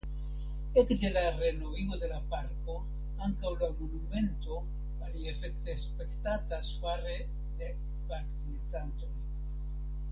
Ekde la renovigo de la parko ankaŭ la monumento aliefekte spektatas fare de parkvizitantoj.